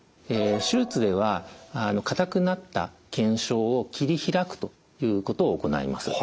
手術では硬くなった腱鞘を切り開くということを行います。